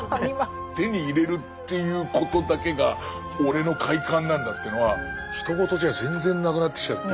手に入れるっていうことだけが俺の快感なんだっていうのはひと事じゃ全然なくなってきちゃって。